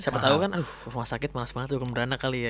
siapa tau kan rumah sakit malas banget dukun beranak kali ya